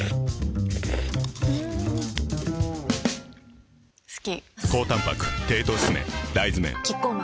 ん好き！